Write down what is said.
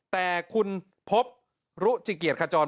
แต่คุณพบรุชิเกียรทร์คจร